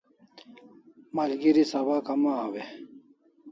Malgeri sabak amaw e?